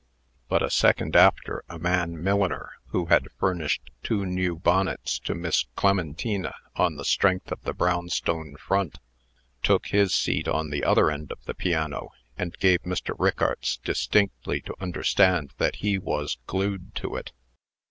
But a second after, a man milliner, who had furnished two new bonnets to Miss Clementina on the strength of the brownstone front, took his seat on the other end of the piano, and gave Mr. Rickarts distinctly to understand that he was glued to it.